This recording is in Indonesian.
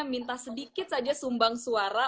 minta sedikit saja sumbang suara